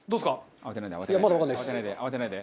慌てないで慌てないで。